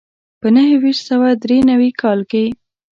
په نهه ویشت سوه دري نوي کال کې.